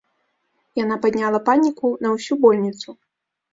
Яна падняла паніку на ўсю больніцу.